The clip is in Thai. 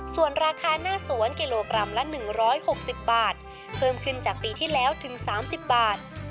ส่วนราคาหน้าสวนกิโลกรัมละ๑๖๐บาทเพิ่มขึ้นจากปีที่แล้วถึง๓๐บาท